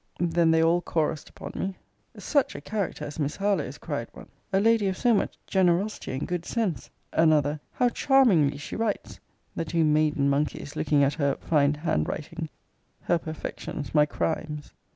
Then they all chorus'd upon me Such a character as Miss Harlowe's! cried one A lady of so much generosity and good sense! Another How charmingly she writes! the two maiden monkeys, looking at her find handwriting: her perfections my crimes.